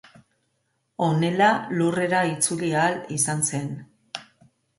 Honela Lurrera itzuli ahal izan zen.